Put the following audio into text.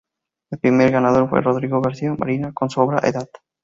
El primer ganador fue Rodrigo García Marina con su obra "Edad".